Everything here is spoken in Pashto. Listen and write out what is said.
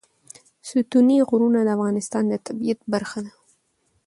ستوني غرونه د افغانستان د طبیعت برخه ده.